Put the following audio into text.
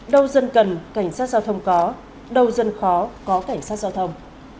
đâu dân cần cảnh sát giao thông có đâu dân khó có cảnh sát giao thông